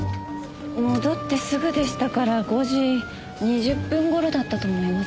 戻ってすぐでしたから５時２０分頃だったと思います。